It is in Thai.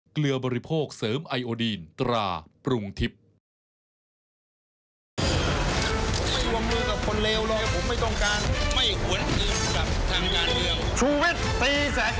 เกลือบริโภคเสริมไอโอดีนตราปรุงทิพย์